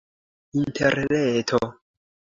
interreto